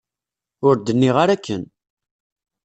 Ur d-nniɣ ara akken.